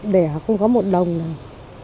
đẻ không có một đồng nào